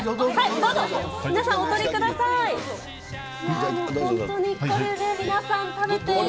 どうぞ、皆さんお取りください。